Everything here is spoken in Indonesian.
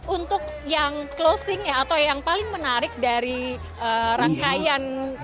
untuk yang closing atau yang paling menarik dari rangkaian